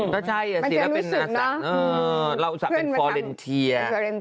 ถ้าใช่เราเป็นฟอเลนเทีย